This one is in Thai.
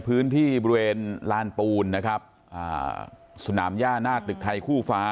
พื้นที่บริเวณลานปูนนะครับอ่าสนามย่าหน้าตึกไทยคู่ฟ้า